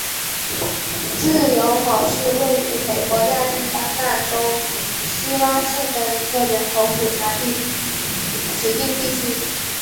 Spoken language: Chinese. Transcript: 自由亩是位于美国亚利桑那州希拉县的一个人口普查指定地区。